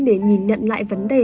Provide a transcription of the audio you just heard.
mình trả tự dễ